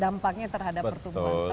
dampaknya terhadap pertumbuhan